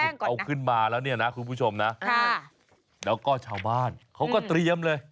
เดี๋ยวเตรียมแป้งก่อนนะคุณผู้ชมนะแล้วก็ชาวบ้านเขาก็เตรียมเลย